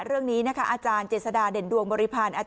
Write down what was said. เรื่องนี้นะคะอเจษฎาเด่นดวงบริภัณฑ์